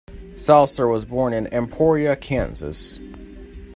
Salser was born in Emporia, Kansas.